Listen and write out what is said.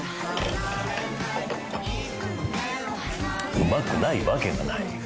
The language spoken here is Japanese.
うまくないわけがない。